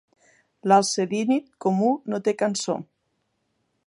L'alcedínid comú no té cançó.